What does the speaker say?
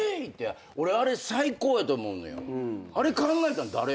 あれ考えたの誰？